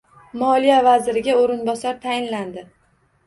Moliya vaziriga o‘rinbosar tayinlandi